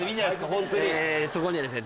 ホントにそこにはですね